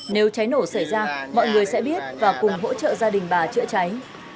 nếu cháy nổ xảy ra mọi người sẽ biết và cùng hỗ trợ gia đình bà chữa cháy